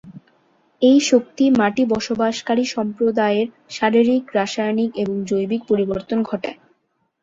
এই শক্তি মাটি বসবাসকারী সম্প্রদায়ের শারীরিক, রাসায়নিক এবং জৈবিক পরিবর্তন ঘটায়।।